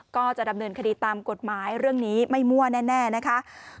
ก็จะดำเนินคดีตามกฎหมายเรื่องนี้ไม่มั่วแน่นะคะ